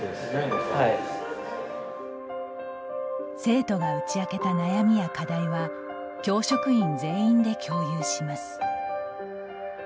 生徒が打ち明けた悩みや課題は教職員全員で共有します。